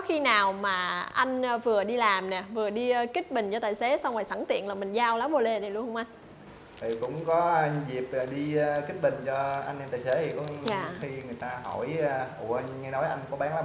thì người ta hỏi ủa anh nghe nói anh có bán lá bồ đề mà em mua ủng hộ anh lá